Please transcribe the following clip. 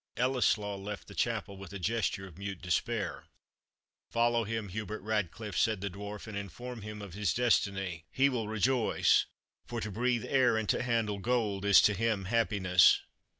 Ellieslaw left the chapel with a gesture of mute despair. "Follow him, Hubert Ratcliffe," said the Dwarf, "and inform him of his destiny. He will rejoice for to breathe air and to handle gold is to him happiness."